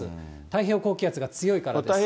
太平洋高気圧が強いからです。